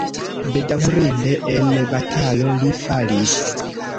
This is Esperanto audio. Bedaŭrinde en batalo li falis.